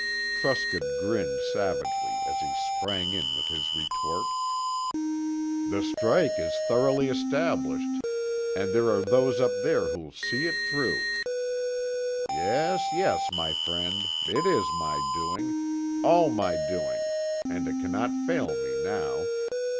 Truscott grinned savagely as he sprang in with his retort. "The strike is thoroughly established, and there are those up there who'll see it through. Yes, yes, my friend, it is my doing; all my doing, and it cannot fail me now.